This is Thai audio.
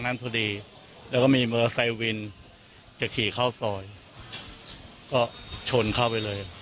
นั้นพอดีแล้วก็มีมอเตอร์ไซค์วินจะขี่เข้าซอยก็ชนเข้าไปเลย